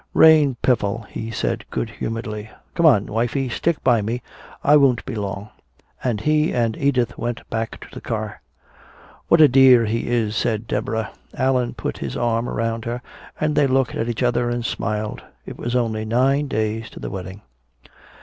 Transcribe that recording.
"Rain, piffle," he said good humoredly. "Come on, wifey, stick by me. I won't be long." And he and Edith went back to his car. "What a dear he is," said Deborah. Allan put his arm around her, and they looked at each other and smiled. It was only nine days to the wedding.